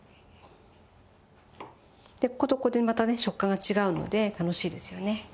でこことここでまたね食感が違うので楽しいですよね。